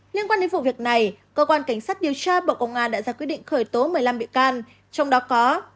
liên quan đến vụ việc này cơ quan cảnh sát điều tra bộ công an đã ra quyết định khởi tố một mươi năm bị can trong đó có